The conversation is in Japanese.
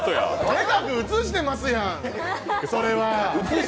でかく映してますやん、それは。